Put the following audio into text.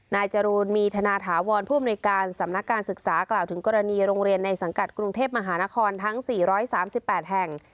จรูนมีธนาถาวรผู้อำนวยการสำนักการศึกษากล่าวถึงกรณีโรงเรียนในสังกัดกรุงเทพมหานครทั้ง๔๓๘แห่ง